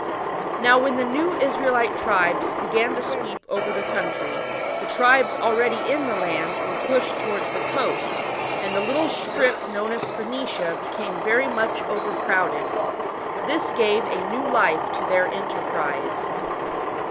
Now, when the new Israelite tribes began to sweep over the country, the tribes already in the land were pushed towards the coast, and the little strip known as Phoenicia became very much overcrowded. This gave a new life to their enterprise.